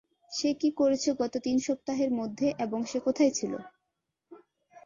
সে কি করেছে গত তিন সপ্তাহের মধ্যে এবং সে কোথায় ছিল?